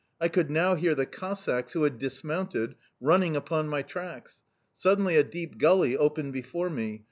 I could now hear the Cossacks, who had dismounted, running upon my tracks. Suddenly a deep gully opened before me.